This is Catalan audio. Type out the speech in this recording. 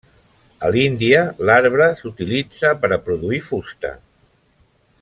A l'Índia, l'arbre s'utilitza per a produir fusta.